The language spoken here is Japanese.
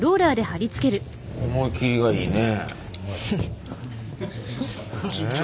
思い切りがいいね。